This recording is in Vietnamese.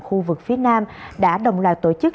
khu vực phía nam đã đồng loạt tổ chức